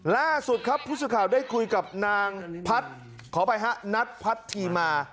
ล่าสุดครับผู้ชมข่าวได้คุยกับนางพัทขอไปฮะนัดพัทธิมา